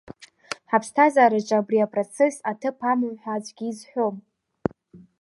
Ҳаԥсҭазаараҿы абри апроцесс аҭыԥ амам ҳәа аӡәгьы изҳәом.